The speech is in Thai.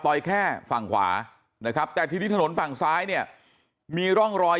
แค่ฝั่งขวานะครับแต่ทีนี้ถนนฝั่งซ้ายเนี่ยมีร่องรอย